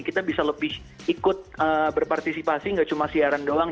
kita bisa lebih ikut berpartisipasi gak cuma siaran doang